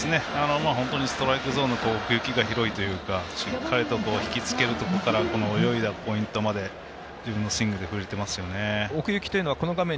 本当にストライクゾーンの奥行きが広いというかしっかりと引きつけるところから泳いだポイントまで自分のスイングで振れてますよね。